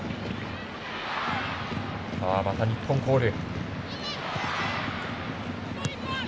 また日本コール。